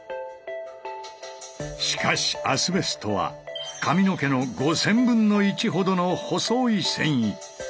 しかしアスベストは髪の毛の５０００分の１ほどの細い繊維。